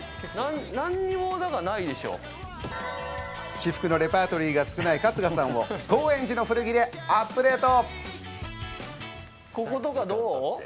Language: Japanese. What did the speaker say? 私服のレパートリーが少ない春日さんを高円寺の古着でアップデート！